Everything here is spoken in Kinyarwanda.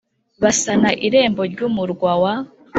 Basana irembo ry umurwa wa